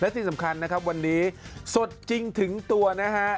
ที่สำคัญนะครับวันนี้สดจริงถึงตัวนะฮะ